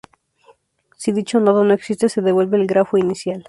Si dicho nodo no existe se devuelve el grafo inicial.